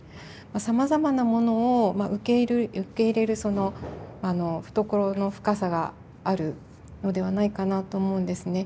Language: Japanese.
さまざまなものを受け入れる懐の深さがあるのではないかなと思うんですね。